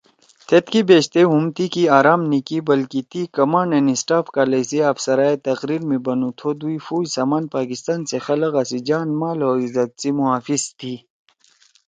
تھید کے بیشتے ہُم تی کی اَرام نی کی بلکہ تی کمانڈ اینڈ اسٹاف کالج سی آفسرائے تقریر می بنُو، ”تھو دُوئی فوج سمان پاکستان سی خلگا سی جان، مال او عزت سی محافظ تِھی“